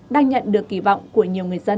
đang nhận được kỳ vọng của nhiều người dân